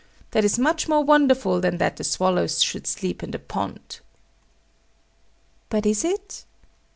That is much more wonderful than that the swallows should sleep in the pond." But is it?